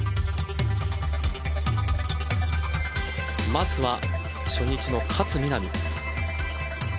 まずは初日の勝みなみ。